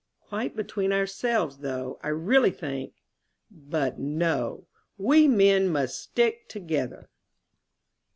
Quite between ourselves, though, I really think But no. We men must stick together.